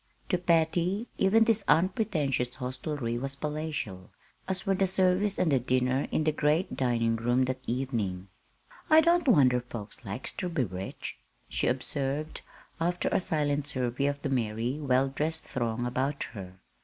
To Patty even this unpretentious hostelry was palatial, as were the service and the dinner in the great dining room that evening. "I don't wonder folks likes ter be rich," she observed after a silent survey of the merry, well dressed throng about her.